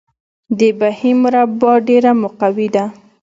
د بهي مربا ډیره مقوي ده.